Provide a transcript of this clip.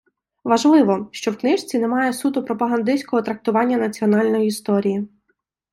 Важливо, що в книжці немає суто пропагандистського трактування національної історії.